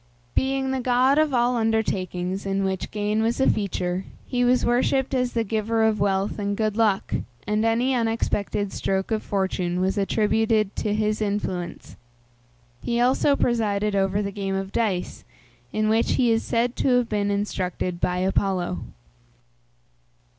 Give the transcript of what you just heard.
Being the god of all undertakings in which gain was a feature, he was worshipped as the giver of wealth and good luck, and any unexpected stroke of fortune was attributed to his influence. He also presided over the game of dice, in which he is said to have been instructed by Apollo.